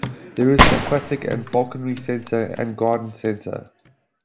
There is an aquatic and falconry centre and garden centre.